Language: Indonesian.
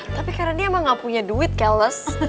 tapi karena dia mah nggak punya duit keles